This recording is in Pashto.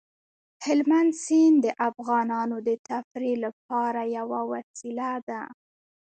هلمند سیند د افغانانو د تفریح لپاره یوه وسیله ده.